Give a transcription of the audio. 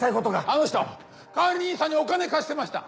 あの人管理人さんにお金貸してました。